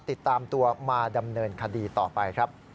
ติดตามตัวมาดำเนินคดีต่อไปครับ